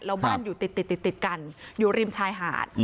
แล้วบ้านอยู่ติดกันอยู่ริมชายหาด